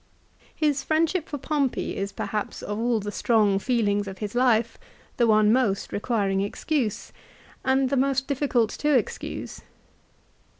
His friendship for Pompey is perhaps of all the strong feelings of his life the one most requiring excuse, and the most difficult to excuse.